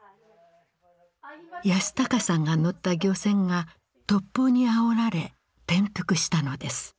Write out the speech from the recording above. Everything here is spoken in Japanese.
和享さんが乗った漁船が突風にあおられ転覆したのです。